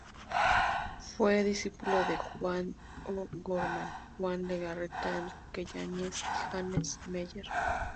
Fue discípulo de Juan O'Gorman, Juan Legarreta, Enrique Yáñez y Hannes Meyer.